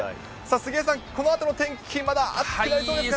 杉江さん、このあとの天気、まだ暑くなりそうですかね。